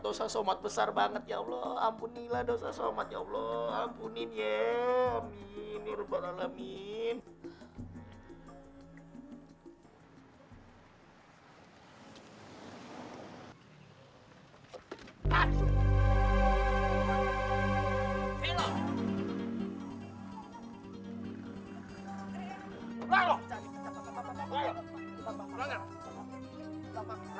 dosa somat besar banget ya allah